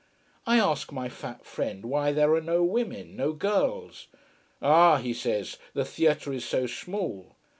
I ask my fat friend why there are no women no girls. Ah, he says, the theatre is so small.